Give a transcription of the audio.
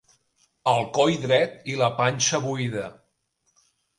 El coll dret i la panxa buida.